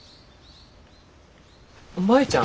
舞ちゃん。